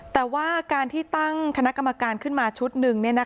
แต่ว่าการที่ตั้งคณะกรรมการขึ้นมาชุดหนึ่ง